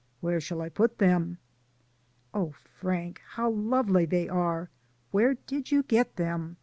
"Where shall I put them?" "Oh, Frank, how lovely they are. Where did you get them?